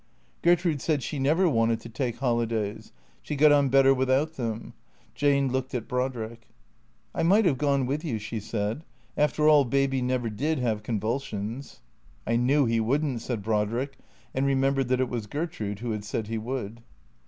Gertrude said she never wanted to take holidays. She got on better without them. Jane looked at Brodrick. " I might have gone with you," she said. " After all, Baby never did have convulsions." " I knew he would n't," said Brodrick, and remembered that it was Gertrude who had said he would.